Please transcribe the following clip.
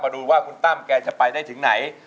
ดูว่าคุณตั้มแกจะไปได้ถึงไหน